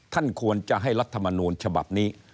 ท่านควรจะให้รัฐมนูลฉบับนี้